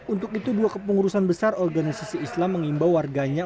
untuk itu dua kepengurusan besar organisasi islam mengimbau warganya